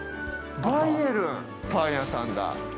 バイエルン！パン屋さんだ。